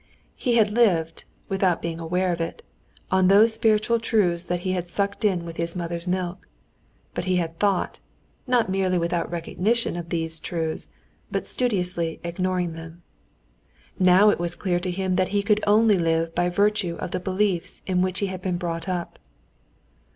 He had lived (without being aware of it) on those spiritual truths that he had sucked in with his mother's milk, but he had thought, not merely without recognition of these truths, but studiously ignoring them. Now it was clear to him that he could only live by virtue of the beliefs in which he had been brought up.